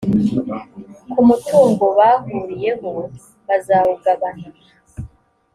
ku mutungo bahuriyeho bvazawugabana